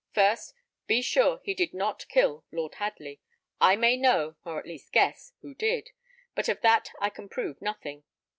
First, be sure he did not kill Lord Hadley. I may know, or at least guess, who did. But of that I can prove nothing.